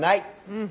うん。